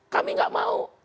kami gak mau